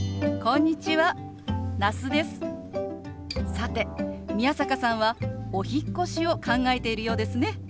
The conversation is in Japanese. さて宮坂さんはお引っ越しを考えているようですね。